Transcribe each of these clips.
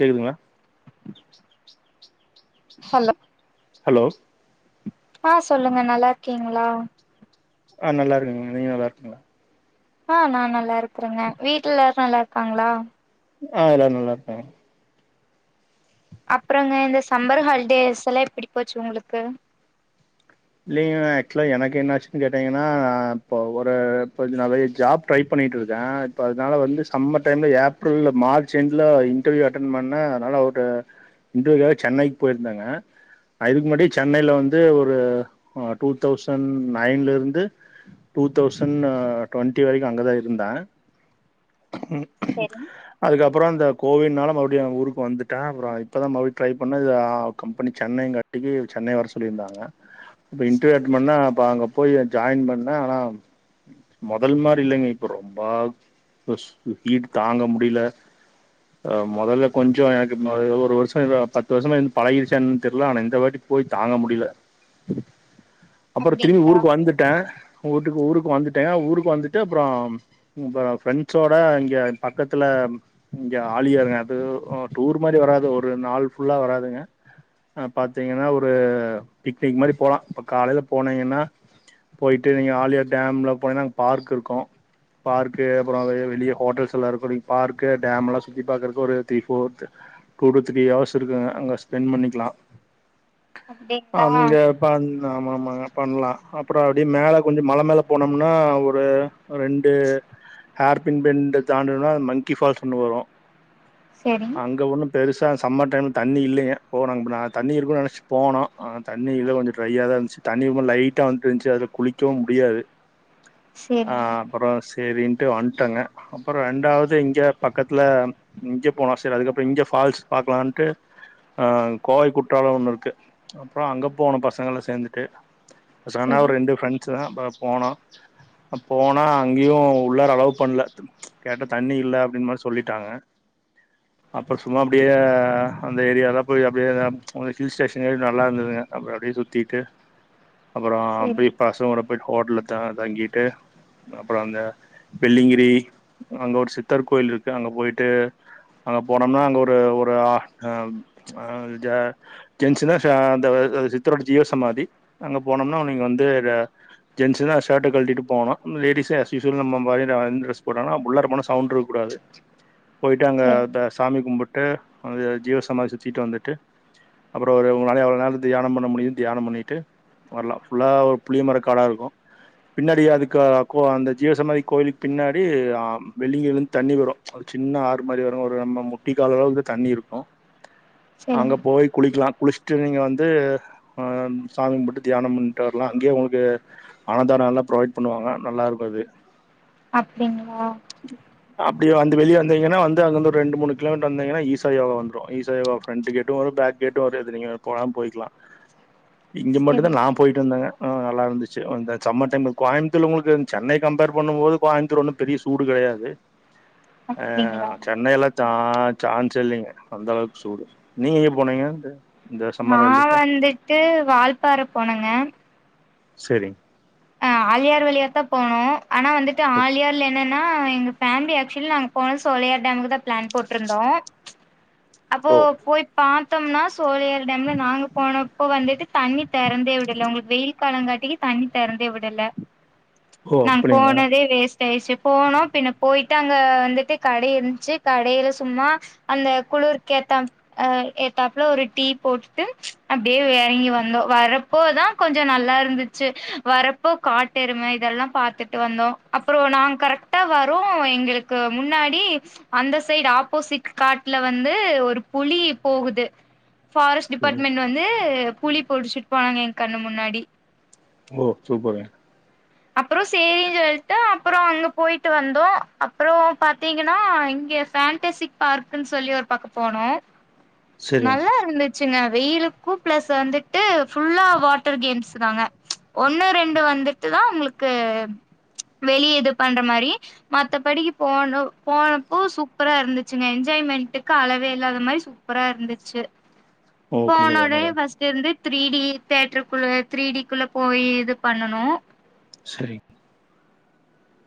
கேக்குதுங்ளா hello hello ஆ சொல்லுங்க நல்லா இருக்கீங்ளா ஆ நல்லா இருக்கேங்க நீங்க நல்லா இருக்கிங்ளா ஆ நா நல்லா இருக்றேங்க வீட்ல எல்லாரு நல்லா இருக்காங்ளா அ எல்லாரு நல்லா இருக்காங்க அப்புறங்க இந்த சம்மர் ஹாலிடேஸ் எல்லா எப்டி போச்சு உங்ளுக்கு இல்லிங்க ஆக்சுவலா எனக்கு என்ன ஆச்சுன் கேட்டீங்கன்னா இப்போ ஒரு கொஞ்ச நாளே ஜாப் ட்ரை பண்ணிட்டு இருக்கே இப்ப அதுனால வந்து சம்மர் டைம்ல ஏப்ரல்ல மார்ச் எண்டுல இர்டவியூ அட்டன் பண்ணே அனால ஒரு இன்டர்வியூகாக சென்னைக்கு போயிருந்தேங்க அதுக்கு முன்னாடி சென்னைல வந்து ஒரு ஒ டூ தௌசண் நைன்ல இருந்து டூ தௌசண்ணு டுவெண்டி வரைக்கு அங்கதா இருந்தே செரிங் அதுக்கப்றோ இந்த கோவிட்னால மறுபடியு ஊருக்கு வந்துட்டே அப்றோ இப்ப தா மறுபடியு ட்ரை பண்ணே இது ஆ கம்பெனி சென்னை க காட்டிக்கு சென்னை வர சொல்லி இருந்தாங்க இப்ப இன்டர்வியூ அட்டன் பண்ணா அப்ப அங்க போய் ஜாயின் பண்ணே ஆனா மொதல் மாரி இல்லங்க இப்ப ரொம்ப சு ஹீட்டு தாங்க முடில அ மொதல்ல கொஞ்சோ எனக்கு இந்த ஒரு வருஷோ ஏதோ பத்து வருஷமா இருந்து பழகிடுச்சா என்னன் தெர்ல ஆனா இந்த வாட்டி போய் தாங்க முடில அப்புறோ திரும்பி அப்டிங்களா ஊருக்கு வந்துட்டே ஊட்டுக்கு ஊருக்கு வந்துட்டே ஊருக்கு வந்துட்டு அப்புறோ இங்பா ஃப்ரெண்ட்ஸோட இங்கே பக்கத்துல இங்க ஆலியாருங்க அது ஒ டூர் மாரி வராது ஒரு நாள் ஃபுல்லா வராதுங்க அ பாத்தீங்கன்னா ஒரு பிக்னிக் மாரி போலா இப்ப காலைல போனீங்கன்னா போயிட்டு நீங்க ஆலியார் டேம்ல போனீனா அங்க பார்க் இருக்கு பார்க்கு அப்புறோ வெ வெளிய ஹோட்டல்ஸ் எல்லா இருக்கு நீ பார்க்கு டமு எல்லா சுத்தி பாக்குறக்கு ஒரு three fourth two to three hours இருக்குங்க அங்க ஸ்பெண்ட் பண்ணிக்லா அப்டி அங்க பன் ஆமா ஆமாங்க பண்லா அப்புறோ அப்டி மேல கொஞ்சோ மலை மேல போனோம்னா ஒரு ரெண்டு ஹர்பின் பெண்டு தாண்டுனா மங்கி பால்ஸ்ன்னு வரு செரி அங்க ஒன்னு பெருசா சம்மர் டைம் தண்ணி இல்லைங்க போனோ அ ந தண்ணி இருக்குன்னனு நினச்சி போனோம் ஆ தண்ணி இல்ல கொஞ்சம் ட்ரையா தான் இருந்துச்சு தண்ணி ரொம்ப லைட்டா வந்துட்டு இருந்துச்சு அதுல குளிக்கவும் முடியாது அ செரிங்க அப்பறம் சரின்ட்டு வன்ட்டங்க அப்பறம் ரெண்டாவது இங்க பக்கத்துல இங்க போனோ செரி அதுக்கப்பறம் இங்க ஃபால்ஸ் பாக்கலாம்ட்டு ஆ கோவை குற்றாலம் ஒன்னு இருக்கு அப்பறம் அங்க போனோம் பசங்காலாம் சேர்ந்துட்டு பசங்கன்னா செரி ஒரு ரெண்டு ஃப்ரெண்ட்ஸ் தான் போனோம் போனா அங்கேயும் உள்ளார அளோவ் பண்ணல கேட்ட தண்ணி இல்ல அப்டின்னு மாரி சொல்லிட்டாங்க அப்பறம் சும்மா அப்டியே அந்த ஏரிய தான் போய் அப்டியே ஹில் ஸ்டேஷன் எ நல்லா இருந்ததுங்க அப்பறம் அப்படியே சுத்திட்டு அப்பறோ செரி போய் பசங்க கூட போயிட்டு ஹோட்டல்ல தான் தாங்கிட்டு அப்பறம் அந்த வெள்ளிங்கிரி அங்க ஒரு சித்தர் கோயில் இருக்கு அங்க போய்ட்டு அங்க போனோம்னா அங்க ஒரு ஒரு ஆ ஆ ஜ ஜென்சுனா அந்த சித்தரோட ஜீவசமாதி அங்க போனோம்னா நீங்க வந்து ஜ ஜென்ஸு தான் ஷாட்டை கழுடிட்டு போனோ லேடிஸ்னா ஆஸ்சூஸ்வல் நம்ம மாரி வந்து எந்த டிரெஸ் போட்டாலு உள்ளார போனா சவுண்டு இருக்க கூடாது போயி்ட்டு அங்கே செரி அ சாமி கும்பிட்டு அ ஜீவ சமாதி சுத்திட்டு வந்துட்டு அப்பறம் ஒரு உங்களால அவ்ளோ நேரோ தியானம் பண்ண முடியும் தியானம் பண்ணிட்டு வரலாம் ஃபுல்லா ஒரு புளியமரோ காடா இருக்கும் பின்னாடி அதுக்கு கோ அந்த ஜீவசமாதி கோவிலுக்கு பின்னாடி வெள்ளிங்கில இருந்து தண்ணி வரும் ஒரு சின்ன ஆறு மாரி வரும் ஒரு நம்ம முட்டி கால அளவுக்கு தண்ணி இருக்கு செரி அங்க போய் குளிக்கலாம் குளிச்சுட்டு நீங்கள் வந்து சாமிகும்பிட்டு தியானம் பண்ணிட்டு வரலாம் அங்கேயே உங்களுக்கு ஆனாதாரம் நல்லா ப்ரொவைட் பண்ணுவாங்க நல்லா இருக்கும் அது அப்டிங்களா அப்டி அந்த வெளிய வந்தீங்கன்னா வ அங்க வந்து ரெண்டு மூணு கிலோமீட்டர் வந்திங்கன்னா ஈசா யோகா வந்துரும் ஈசா யோகா பிரெண்ட கேட்டும் வரும் பேக் கேட்டு வரு நீங்க போலாம் போயிக்கலாம் இங்க செரி மட்டும்தான் நா போயிட்டு வந்தங்க நல்லா இருந்துச்சு அந்த சம்மர் டைம் கோயமுத்தூர் உங்களுக்கு சென்னை கம்பேர் பண்ணும் போது கோயமுத்தூர் ஒன்னு பெரிய சூடுகாயாது அ அப்டிங்களா சென்னைய எல்லாம் சா சான்சே இல்லைங்க அந்த அளவுக்கு சூடு நீங்க எங்க போனீங்க வந்து நான் வந்துட்டு வால்பாறை போனங்க சரி ஆலியார் வழியா தான் போனோம் ஆனா வந்துட்டு ஓகே ஆலியார்ல என்ன நா எங்க பேமிலி ஆக்சுலி நாங்க போனது சோலையார் டேமுக்கு தான் பிளான் போட்டிருந்தோம் அப்போ ஓ போய் பார்த்தோம்னா சோலியார் டேம்ல நாங்க போனப்போ வந்துட்டு தண்ணி திறந்தே விடல உங்களுக்கு வெயில் காலங்காட்டிக்கு தண்ணி திறந்தே விடல ஓ நாங்க அப்படிங்களா போனதே வேஸ் வேஸ்டு போனோம் பின்ன போய்ட்டு அங்க வந்துட்டு கடை இருந்துச்சு கடையில சும்மா அந்த குளுர்க்கேத்தம் அ ஏத்தாப்புல ஒரு டீ போட்டுட்டு அப்டியே இறங்கி வந்தோம் வரப் ப்போதான் கொஞ்சம் நல்லா இருந்துச்சு வரப் ப்போ காட்டெரும இதெல்லாம் பாத்துட்டு வந்தோம் அப்பறம் நாங்க கரெக்ட்டா வரோம் எங்களுக் ளுக்கு முன்னாடி அந்த சைடு ஆப்போசிட் காட்ல வந்து ஒரு புலி போகுது ஃபாரஸ்ட் டிபார்ட்மெண்ட் வந்து புலி புட்ச்சிட் போனாங்க எ கண்ணு முன்னாடி ஓ சூப்பர்ங்க அப்புற செரின்ஞ் சொல்ட்டு அப்புற அங்க போயிட்டு வந்தோ அப்புற பாத்தீங்கனா இங்க பேன்டசிக் பார்க்குன் சொல்லி ஒரு பக்க போனோ சரிங்க நல்லா இருந்து சுங்க வெயிலுக்கும் பிளஸ் வந்துட்டு ஃபுல்லா வாட்டர் கேம்ஸ் தாங்க ஒண்ணு ரெண்டு வந்துட்டு தா உங்ளுக்கு வெளிய இது பண்ற மாரி மத்தபடிக்கு போனோ போனப்போ சூப்பரா இருந்துச்சுங்க என்ஜாய்மெண்ட்க்கு அளவே இல்லாத மாரி சூ ப்பரா இருந்துச்சு ஓ கண்டிப்பா போனோடே வரோம் ஃபஸ் திருந்து த்ரீ டி தேட்ருக்குள்ள த்ரீ டிக்குள்ள போய் இது பண்ணனு சரி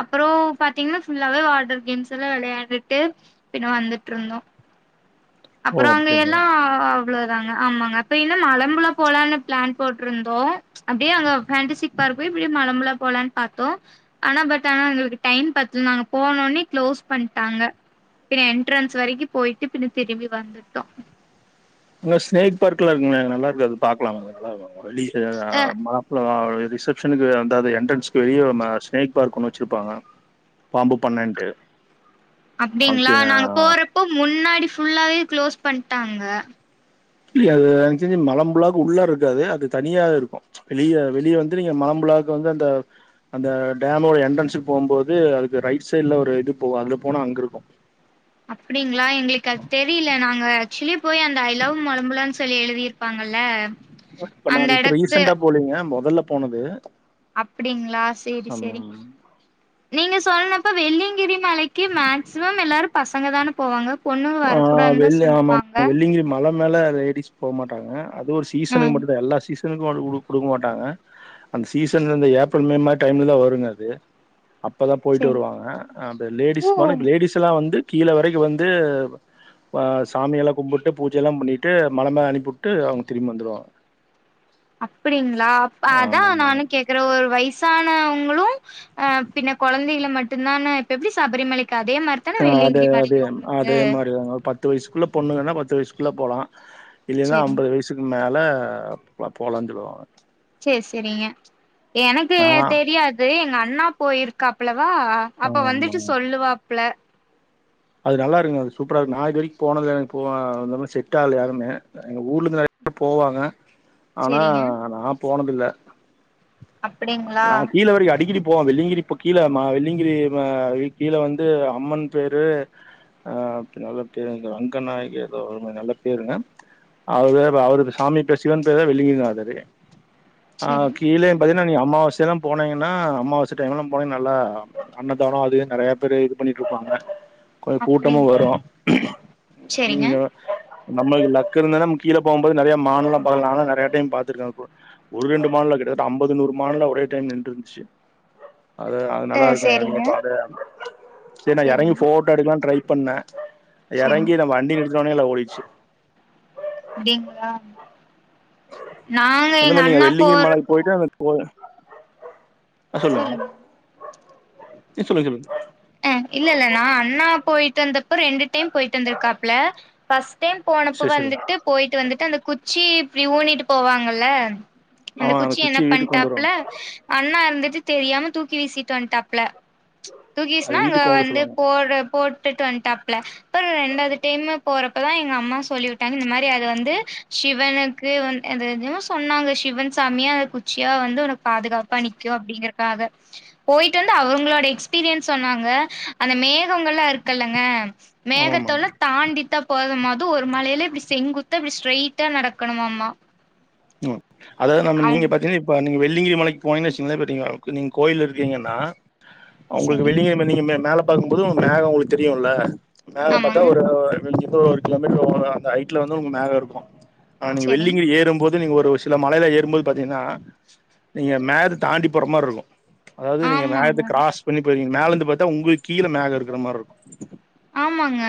அப்புற பாத்தீங்னா ஃபுல்லாவே வாட்டர் கேம்ஸ் எல்லா விளயாண்டுட்டு பின்ன வந்துட்றுந்தோ ஓ அப்புற அங்க எல்லா அப்படிங்களா அவ்ளோதாங்க ஆமாங்க அப்ப இன்னு மலம்புலா போலானு பிளேன் போட்ருந்தோ அப்டியே அங்க பேண்டசிக் பார்க் போயி இப்டியே மலம்புலா போலான் பாத்தோ ஆனா பட் தேனாதுர் டைம் பத்துல நாங்க போனோன்னே க்ளோஸ் பண்ட்டாங்க பின்ன என்ட்ரன்ஸ் வரிக்கு போயிட்டு பின்ன திரும்பி வந்துட்டோ அங்க ஸ்னேக் பார்க்லா இருக்குமே நல்லார்க்கு அது பாக்லா நல்லா இருக்கு அ ரிசெப்ஷனுக்கு ரெண்டாவது என்ட்ரன்ஸ்கு வெளிய வந்தா ஸ்னேக் பார்க் ஒன்று வச்சுருப்பாங்க பாம்பு பன்னன்ட்டு அப்டிங்ளா நாங்க போறப்போ முன்னாடி ஃபுல்லாவே க்ளோஸ் பண்ட்டாங்க இல்லியே அது எனக்கு தெஞ்சு மலம்புழாக்கு உள்ள இருக்காது அது தனியா இருக்கு வெளியே வெளிய வந்து நீங்க மாம்புழாவுக்கு வந்து அந்த அந்த டேமோட என்ட்ரன்ஸுக் போம்போது அதுக்கு ரைட் சைட்ல ஒரு இது போகு அதுல போனா அங்க இருக்கு அப்டிங்ளா எங்ளுக்கு அது தெரியில நாங்க ஆக்சுவலி போய் அந்த ஐ லவ் மொளம்புலானு சொல்லி எழுதிருப்பாங்கல்ல இப்ப நா அந்த அது இப்ப எடத்து ரீசண்ட்டா போலீங்க முதல்ல போனது அப்டிங்ளா சேரி ஆமா செரி நீங்க சொல்னப்ப வெள்ளியங்கிரி மலைக்கு மேக்சிமம் எல்லாரு பசங்க தான போவாங்க பொண்ணுக ஆ வரக்கூடாதுதான் வெள்ளி ஆமா சொல்லுவாங்க வெள்ளிங்கிரி மல மேல லேடிஸ் போ மாட்டாங்க அது ஒரு ஆ சீசனுக்கு மட்டுந்தா எல்லா சீச என் கார்டு குடுக்க மாட்டாங்க அந்த சீசன் இந்த ஏப்ரல் மே மாரி டைம்ல தா வருங்க அது அப்பதா போயிட்டு சேரி வருவாங்க அ அப்ப ஓ லேடிஸ்பான லேடிஸ் எல்லா வந்து கீழ வரைக்கு வந்து சாமியலா கும்பிட்டு பூஜை எல்லா பண்ணிட்டு மல மே அனுப்புட்டு அவுங்க திரும்பி வந்துருவாங் அப்டிங்ளாப் அதா ஆமாமாங்க நானு கேக்குற ஒரு வய்சானவுங்களு ஆ பின்ன குழந்திகிள மட்டுந்தானே இப்ப எப்டி சபரிமலைக்கு அதே மாரி தான ஆ அதே வெள்ளியங்கிரி அதே மலையு உங்களுக்கு அதே மாரி தாங்க பத் த்து வயசுக்குள்ள பொண்ணுங்கனா பத்து வயசுக்குள்ள போலா இல்லைனா சேரி ஐம்பது வயசு த்துக் மேல போ போலா சொல்லுவாங்க சேர் செரிங்க எனக்கு ஆ தெரியாது எங்க அண்ணா போயிருக்காப்ளவா அப்ப வந்துட்டு ஆமாங்க சொல்லுவாப்புல அது நல்லாருக்குங்க அது சூப்பரா இருக் நா இது வரைக்கு போனதுல எனக்கு இப்போ அது இல்லாம செட் ஆகல யாருமே எங்க ஊர்லந்து நறைய பே போவாங்க ஆனா சேரிங்க நா போனதில்ல அப்டிங்களா நா கீழ வரைக்கு அடிக்கடி போவ வெள்ளிங்கிரி இப்ப கீழ ம வெள்ளிங்கிரி ம கீழ வந்து அம்மன் பேரு ஆ அப்டி அது வன்ட்டு ரங்கநாயகி எதோ ஒரு நல்ல பேருங்க அவரு அவருக் சாமி பேர் சிவன் பேர் தா வெள்ளிங்கிரினாதரு ஆ சேரி கீழே இன்னு நீ அமாவாசைலா போனீங்னா அமாவாச டைம்லா போனீன் நல்ல அன்ன தானோ அது இதுன் நறைய பேரு இது பண்ணிட்ருப்பாங்க கொஞ்சோ கூட்டமு அப்டிங்க வரு செரிங்க நீங்க நம்மளுக்கு லக்குருந்தா நம் கீழ போம்போது நறையா மானுல்லா பாக்கலா நாலா நறைய டைம் பாத்திருக்கே ஒரு ரெண்டு மான்ல கிட்டதட்ட அம்பது நூறு மான்லா ஒரே டைம் நின்ட்ருந்துச்சு அத அது ஆ நல்லாருக்குங்க நீங்க சேரிங்க பாத்தே ஆகனு சேர் நா எறங்கி செரிங்க ஃபோ ட்டோ எடுக்லா ட்ரை பண்ணே செரிங்க எறங்கி நா வண்டி நிறுத்துனோனே எல்லா ஓடிர்ச்சு அப்டிங்ளா அந்த மாரி நீங்க அண்ணா வெள்ளிங்கிரி மலைக் போறப்போ போய்ட்டு அந்த [unintelligible] அ சொல்லுங் சொல்லுங்க நீ சொல்லு சொல்லுங் இல்லெல்ல நா அண்ணா போய்ட்டு வந்தப்ப ரெண்டு டைம் போய்ட்டு வந்திருக்காப்ல ஃபஸ்ட் டைம் போனப்ப சரி சரி வந்துட்டு போய்ட்டு வந்துட்டு அந்த குச்சி இப்டி ஊனிட்டு போவாங்கள்ல அந்த ஆமா குச்சி என்ன குச்சிய வீட்டுக்கு கொண்டு பண்ட்டாப்ல வருவாங்க அண்ணா இருந்துட்டு தெரியாம தூக்கி வீசிட்டு வன்ட்டாப்ல தூக்கி அது வீசுனா அங்க வீட்டுக்கு கொண்டு வர வந்து சொல்லுவாங்க போடு போட்டுட்டு வன்ட்டா ப்ல அப்றோ ரெண்டாது டைமு போறப்பதா எங்க அம்மா சொல்லி விட்டாங்க இந்த மாரி அது வந்து சிவனுக்கு வந் எது எதயோ சொன்னாங்க சிவன் சாமியா அந்த குச்சியா வந்து ஒனக் பாதுகாப்பா நிக்கு அப்டிங்கறக்காக போய்ட்டு வந்து அவுங்களோட எக்ஸ் பீரியன் சொன்னாங்க அந்த மேகங்கல்லா இருக்கல்லங்க ஆமா ஆமா மேகத்தொல தாண்டித்தா போதமாது ஒரு மலைல இப்டி செங்குத்தா இப்டி ஸ்ட்ரைட்டா நடக்கனுமாமா ம் அதாவ்து நம்ம நீங்க பாத்தீங்க ப்ப நீங்க வெள்ளிங்கிரி மலைக்கு போனீங்கன் வச்சுங்ளே இப்ப நீங்க நீங் கோயில்லருக்கீங்கன்னா ஒங்களுக்கு செரி வெள்ளிங்கிரி ப்ப நீங்க மே மேல பாக்கம்போது ஒங்க மேகோ ஒங்களுக்கு தெரியுல மேகோ பாத்தா ஆமாங்க ஒரு மிஞ்சி போ ஒரு கிலோமீட்ரு வரு அந்த ஹைட்ல வந்து ஒங்க மேகோருக்கு அ நீங்க செரிங் வெள்ளிங்கிரி ஏறும்போது இது நீங்க ஒரு சில மலைல ஏறும்போது பாத்தீங்னா நீங்க மேகத்த தாண்டி போற மார்ருக்கு அதாவ்து நீங்க ஆமாங்க மேகத்த க்ராஸ் பண்ணி போய்ருவீங்க மேலந்து பாத்தா உங்ளுக் கீழ மேகோ இருக்ற மார்ருக்கு ஆமாங்க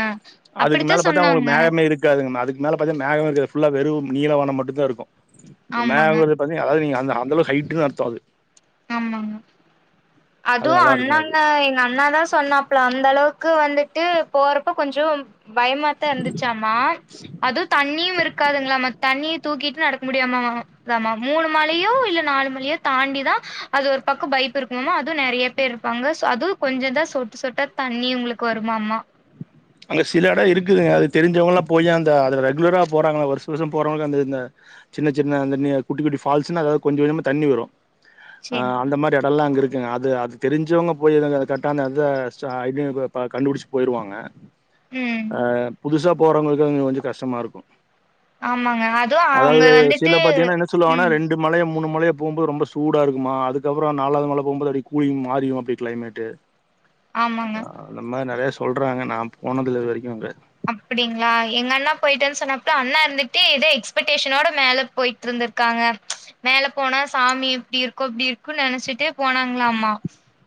அதுக்கு அப்படித்தா மேல பாத்தா ஒங்களுக்கு சொன்னாங்க மேகமே இரு க்காதுங்கமா அதுக்கு மேல பாத்தா மேகமே இருக்காது ஃபுல்லா வெறும் நீள வானோ மட்டு தாருக்கு ஆமாங்க மேகோ பாத்தீங்னா அதாவ்து நீங்க அந்த அந்தளவு ஹைட்டுனு அர்த்தோ அது ஆமாங்க அது அதுவு நல்லா இருக்குங்க அது அண்ணாங்க எங்கண்ணாதா சொன்னாப் ப்ல அந்தளவுக்கு வந்துட்டு போறப்போ கொஞ்சோ பய்மாத்தா இருந்துச்சாமா அதுவு தண்ணியும் இருக்காதுங்ளாமா தண்ணிய தூக்கிட்டு நடக்க முடியாமா தாமா மூனு மலையு இல்ல நாலு மலையோ தாண்டிதா அது ஒரு பக்கோ பைப்பிருக்குமாமா அதுவு நெறைய பேர்ருப்பாங்க சோ அதுவு கொஞ்சோ தா சொட்டு சொட்டா தண்ணி உங்ளுக் வருமாமா அங்க சில எடோ இருக்குதுங்க அது தெரிஞ்சவங்கள்லா போயி அந்த அதுல ரெகுலரா போறாங்ளா வர்ஷ வர்ஷோ போறவங்களுக்கு அந்த இந்த சின்ன சின்ன அந்த நீ குட்டி குட்டி ஃபால்ஸுனா அதாது கொஞ்ச கொஞ்சமா தண்ணி வரு ஆ சேரிங்க அந்த மாரி எடோல்லா அங்கருக்குங்க அது அது தெரிஞ்சோங்க போயி [unintelligible] கர்ட்டா அந்தத ச இப்டிங்றக்குள்ள ப கண்டுபுடிச்சு போய்ருவாங்க ம் ஆ புதுசா போறவங்களுக்கு அங்க கொஞ்சோ கஷ்டமாருக்கு ஆமாங்க அதுவு அவங்க அதாவ்து வந்துட்டு சில பாத்தீங்கன்னா என்ன சொல்வாங்னா ம் ரெண்டு மலைய மூனு மலைய போம்போது ரொம்ப சூடாருக்குமா அதுக்கப்றோ நாலாது மல போம்போது அப்டி கூலிங் மாரிரு அப்டி கிளைமெட்டு ஆமாங்க அந்த மாரி நறைய சொல்றாங்க நா போனதில்ல இது வரைக்கு அங்க அப்டிங்ளா எங்க அண்ணா போய்ட்டேன் சொன்னாப்ல அண்ணாருந்துட்டு எதே எக்ஸ்பெக்டேஷனோட மேல போயிட்ருந்திரு காங்க மேல போனா சாமி இப்டிருக்கு இப்டி இருக்கு நெனச்சுட்டே போனாங்ளாமா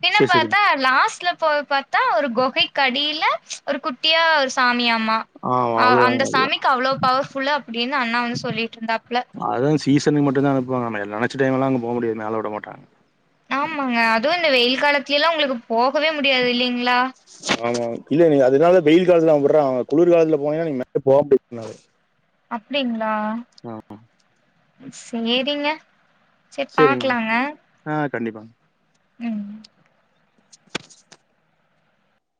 பின்ன சேர் சேரி பாத்தா லாஸ்ட்ல போய் பாத்தா ஒரு கொகைக்கடில ஒரு குட்டியா ஒரு சாமியாமா ஆ அந்த அவ்ளோதாங்க சாமிக்கு அவ்ளோ பவர்ஃபுல்லு அப்டின்னு அண்ணா வந்து சொல்லிட்ருந்தாப்ல அதுவு சிசனுக்கு மட்டுந்தா அனுப்வாங்க நெனைச்ச டைம் எல்லா அங்க போ முடியாது மேல விட மாட்டாங்க ஆமாங்க அதுவு இந்த வெயில் காலத்துலல்லா உங்களுக்கு போகவே முடியாது இல்லைங்களா ஆமா இல்ல நீ அதனால வெயில் காலத்துல அவ விடுறா அங்க குளிர் காலத்துல போனீங்கன்னா நீ மேலே போக முடியாது உங்களால அப்படிங்களா சேரிங்க செரி சேரிங்க பாக்கலாங்க ஆ கண்டிப்பாங்க ம்